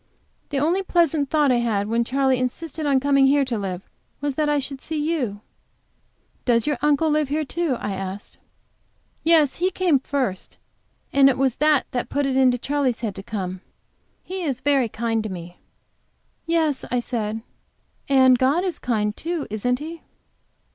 "The only pleasant thought I had when Charley insisted on coming here to live was, that I should see you." "Does your uncle live here, too?" I asked. "Yes, he came first, and it was that that put it into Charley's head to come. He is very kind to me." "Yes," I said, "and God is kind, too, isn't He?"